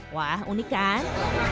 wah unik kan